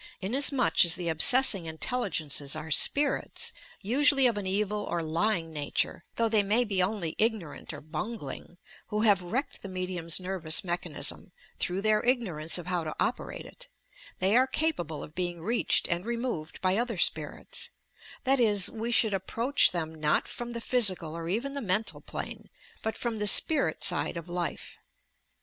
Inasmuch as the obsessing intelligences are "spirits," usually of an evil or lying nature (though they may be only ignorant or bungling) who have wrecked the medium's nervous mechanism, through their ignorance of how to operate it, they are capable of be ing reached and removed by other spirits, — that is, we should approach them not from the physical or even the mental plane, but from the spirit side of life.